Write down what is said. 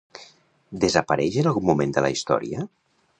Desapareix en algun moment de la història?